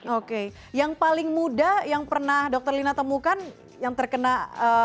oke yang paling muda yang pernah dokter lina temukan yang terkena apa namanya dampak buruk dari pemakaian gawai hingga mengidapkan